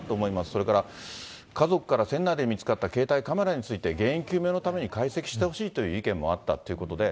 それから家族から船内で見つかった携帯、カメラについて原因究明のために解析してほしいという意見もあったということで。